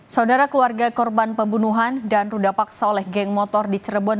saudara keluarga korban pembunuhan dan ruda paksa oleh geng motor di cirebon